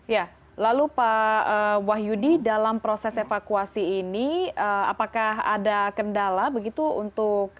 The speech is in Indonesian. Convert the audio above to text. ya lalu pak wahyudi dalam proses evakuasi ini apakah ada kendala begitu untuk